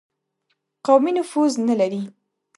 قومي نفوذ نه لري.